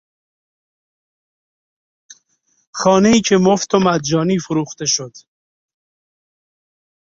خانهای که مفت و مجانی فروخته شد